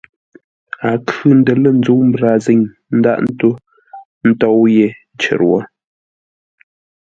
A khʉ̂ ńdə́r lə̂ ńzə́u mbrazîŋ ńdághʼ ńtó ńtóu yé cər wó.